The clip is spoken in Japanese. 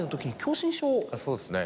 そうですね。